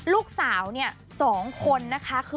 ลูกสาวเนี่ย๒คนนะคะ